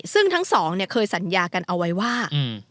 ซึ่งทั้งสองเนี่ยเคยสัญญากันเอาไว้ว่า